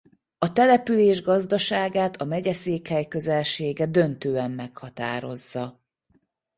A település gazdaságát a megyeszékhely közelsége döntően meghatározza.